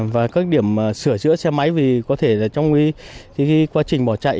và các điểm sửa chữa xe máy vì có thể trong quá trình bỏ chạy